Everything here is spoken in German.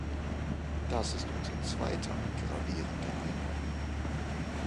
Das ist unser zweiter gravierender Einwand.